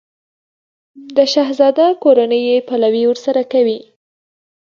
د شهزاده کورنۍ یې پلوی ورسره کوي.